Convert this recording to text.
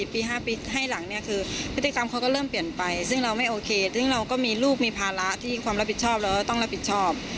๕ปีให้หลังเนี่ยคือพฤติกรรมเขาก็เริ่มเปลี่ยนไปซึ่งเราไม่โอเคซึ่งเราก็มีลูกมีภาระที่ความรับผิดชอบเราก็ต้องรับผิดชอบ